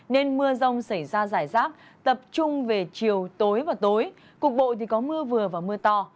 nên mưa rông xảy ra giải rác tập trung về chiều tối và tối cục bộ thì có mưa vừa và mưa to